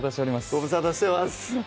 ご無沙汰してます